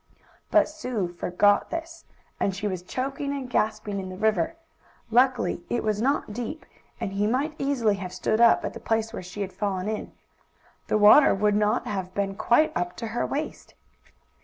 But Sue forgot this, and she was choking and gasping in the river. Luckily it was not deep, and he might easily have stood up at the place where she had fallen in. The water would not have been quite up to her waist.